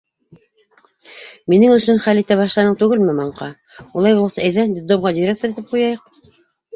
Минең өсөн хәл итә башланың түгелме, маңҡа? Улай булғас, әйҙә, детдомға директор итеп ҡуяйыҡ.